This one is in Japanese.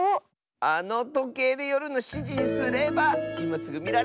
あのとけいでよるの７じにすればいますぐみられるッス！